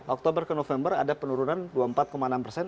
oktober ke november ada penurunan dua puluh empat enam persen